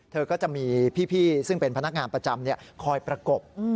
เธอก็จะมีพี่ซึ่งเป็นพนักงานประจำคอยประกบ